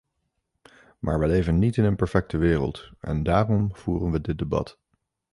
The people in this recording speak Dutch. Maar we leven niet in een perfecte wereld en daarom voeren we dit debat.